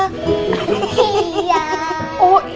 hari pertama rena sekolah